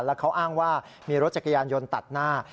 แล้วเขาอ้างว่ามีรถจักรยานยนต์ตัดหน้า